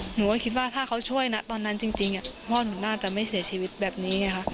หนูก็คิดว่าถ้าเขาช่วยนะตอนนั้นจริงพ่อหนูน่าจะไม่เสียชีวิตแบบนี้ไงค่ะ